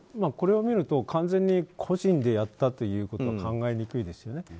これを見ると完全に個人でやったということは考えにくいですよね。